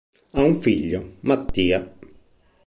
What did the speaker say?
Ha un figlio, Mattia.